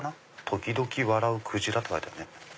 「時々笑うクジラ」って書いてあるね。